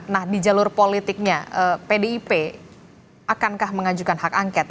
nah di jalur politiknya pdip akankah mengajukan hak angket